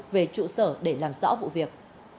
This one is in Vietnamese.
về trụ sở để làm rõ vụ việc